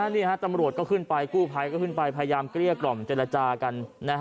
นี่ฮะตำรวจก็ขึ้นไปกู้ภัยก็ขึ้นไปพยายามเกลี้ยกล่อมเจรจากัน